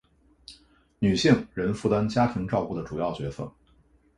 女性仍负担家庭照顾的主要角色